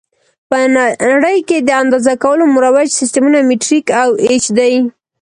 په نړۍ کې د اندازه کولو مروج سیسټمونه مټریک او ایچ دي.